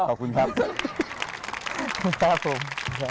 ขอบคุณครับ